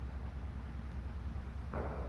তিনি প্রদেশের প্রধানমন্ত্রী হন।